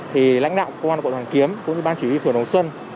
thì lãnh đạo công an cộng đoàn kiếm cũng như ban chỉ huy phường đồng xuân